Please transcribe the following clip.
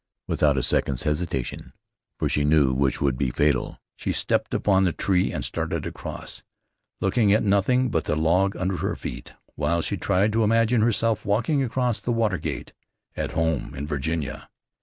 Without a second's hesitation, for she knew such would be fatal, she stepped upon the tree and started across, looking at nothing but the log under her feet, while she tried to imagine herself walking across the water gate, at home in Virginia.